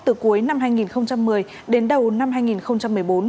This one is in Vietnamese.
từ cuối năm hai nghìn một mươi đến đầu năm hai nghìn một mươi bốn